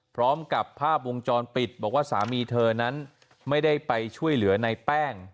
พร้อมกับภาพวงจรปิดบอกว่าสามีเธอนั้นไม่ได้ไปช่วยเหลือในแป้ง